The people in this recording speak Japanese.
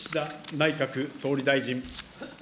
内閣総理大臣。